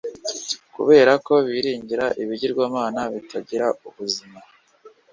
Kubera ko biringira ibigirwamana bitagira ubuzima,